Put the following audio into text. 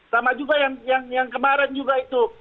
sama juga yang kemarin juga itu